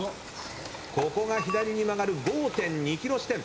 ここが左に曲がる５．２ｋｍ地点。